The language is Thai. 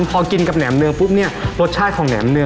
พอกินกับแหมเนื้อปุ๊บเนี่ยรสชาติของแหมเนื้อ